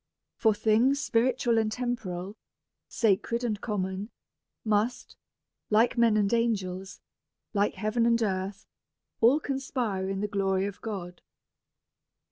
For things spiritual and tem poral, sacred and common, must, like men and angels, like heaven and earth, all conspire in the glory of God.